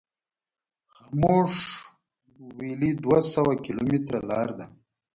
خاموش ویلي دوه سوه کیلومتره لار ده.